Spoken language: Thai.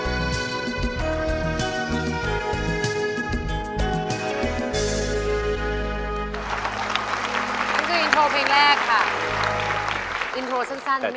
นี่คืออินโทรเพลงแรกค่ะอินโทรสั้นใช่ไหม